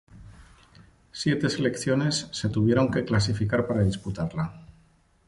Siete selecciones se tuvieron que clasificar para disputarla.